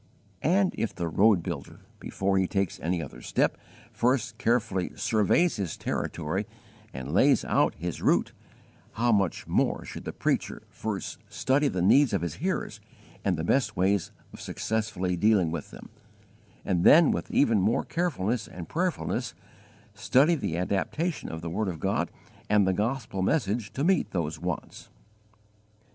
And if the road builder, before he takes any other step, first carefully surveys his territory and lays out his route, how much more should the preacher first study the needs of his hearers and the best ways of successfully dealing with them, and then with even more carefulness and prayerfulness study the adaptation of the word of God and the gospel message to meet those wants.